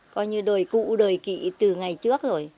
coi như đời cụ đời kỵ từ ngày trước rồi